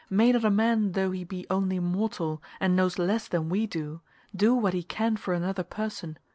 May not a man though he be only mortal and knows less than we do, do what he can for another person?